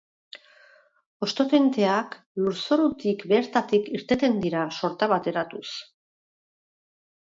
Hosto tenteak lurzorutik bertatik irteten dira sorta bat eratuz.